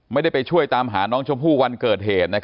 ไม่ได้ไปช่วยตามหาน้องชมพู่วันเกิดเหตุ